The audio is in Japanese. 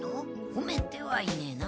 ほめてはいねえな。